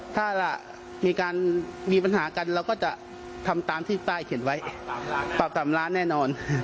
ถ้ามีการมีปัญหากันเราก็จะทำตามที่ใต้เขียนไว้ปรับ๓ล้านแน่นอน